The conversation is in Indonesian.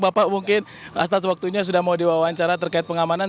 bapak mungkin atas waktunya sudah mau diwawancara terkait pengamanan